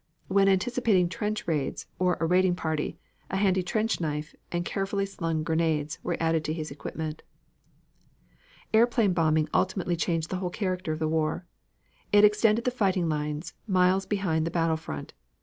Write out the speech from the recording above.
When anticipating trench raids, or on a raiding party, a handy trench knife and carefully slung grenades were added to his equipment. Airplane bombing ultimately changed the whole character of the war. It extended the fighting lines miles behind the battle front.